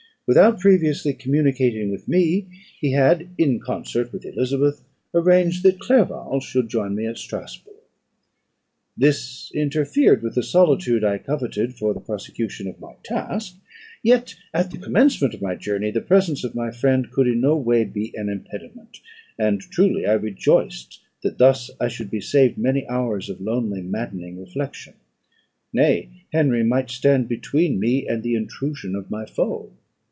Without previously communicating with me, he had, in concert with Elizabeth, arranged that Clerval should join me at Strasburgh. This interfered with the solitude I coveted for the prosecution of my task; yet at the commencement of my journey the presence of my friend could in no way be an impediment, and truly I rejoiced that thus I should be saved many hours of lonely, maddening reflection. Nay, Henry might stand between me and the intrusion of my foe.